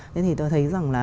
thế thì tôi thấy rằng là